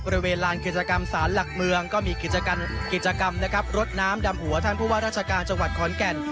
บริเวณลานกิจกรรมศาลหลักเมืองก็มีกิจกรรมนะครับรดน้ำดำหัวท่านผู้ว่าราชการจังหวัดขอนแก่น